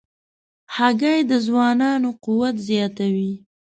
هګۍ د ځوانانو قوت زیاتوي.